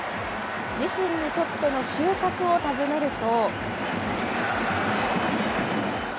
自身にとっての収穫を尋ねると。